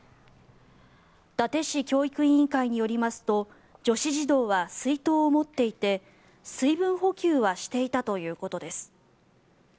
伊達市教育委員会によりますと女子児童は水筒を持っていて水分補給はしていたということです。